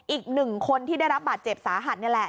อีกหนึ่งคนที่ได้รับบาดเจ็บสาหัสนี่แหละ